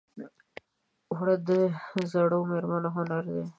اوړه د زړو مېرمنو هنر دی